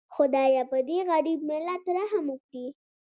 خدایه پدې غریب ملت رحم وکړي